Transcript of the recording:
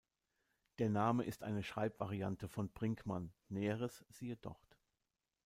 Der Name ist eine Schreibvariante von Brinkmann; Näheres siehe dort.